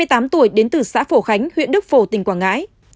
hai mươi tám tuổi đến từ xã phổ khánh huyện đức phổ tỉnh quảng ngãi